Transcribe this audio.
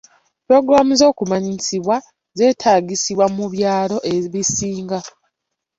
Pulogulaamu z'okumanyisibwa zeetagisibwa mu byalo ebisinga.